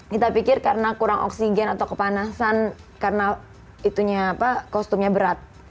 kita pikir karena kurang oksigen atau kepanasan karena kostumnya berat